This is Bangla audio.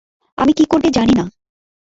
আমি কী করবে জানি না।